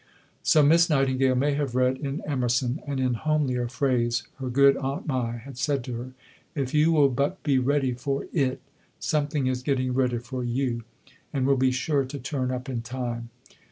So Miss Nightingale may have read in Emerson; and in homelier phrase her good Aunt Mai had said to her, "If you will but be ready for it, something is getting ready for you, and will be sure to turn up in time."